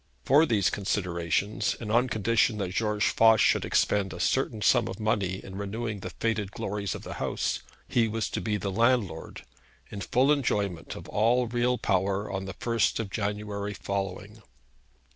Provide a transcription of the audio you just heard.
For these considerations, and on condition that George Voss should expend a certain sum of money in renewing the faded glories of the house, he was to be the landlord in full enjoyment of all real power on the first of January following.